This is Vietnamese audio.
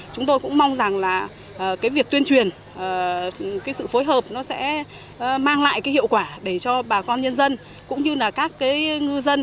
chúng tôi cũng mong rằng việc tuyên truyền sự phối hợp sẽ mang lại hiệu quả để cho bà con nhân dân cũng như các ngư dân